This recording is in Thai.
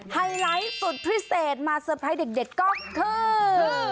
ไฮไลท์สุดพิเศษมาเตอร์ไพรส์เด็กก็คือ